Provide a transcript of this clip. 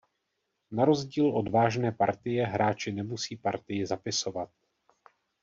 Na rozdíl od vážné partie hráči nemusí partii zapisovat.